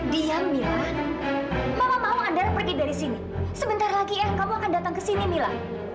diam mila mau anda pergi dari sini sebentar lagi eh kamu akan datang ke sini mila